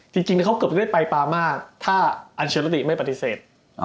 จริงเขาเกือบจะได้ไปปามาถ้าอัญเชลติไม่ปฏิเสธ